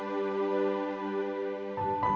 pesek air papi